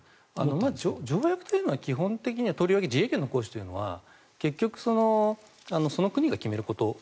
まず条約というのは基本的にはとりわけ自衛権の行使というのは結局、その国が決めること。